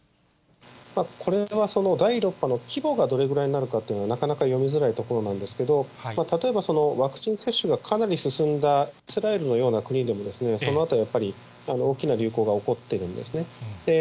これはその第６波の規模がどれぐらいなのかというのはなかなか読みづらいところなんですけど、例えばワクチン接種がかなり進んだイスラエルのような国でも、そのあとやっぱり、大きな流行が起こってるんですね。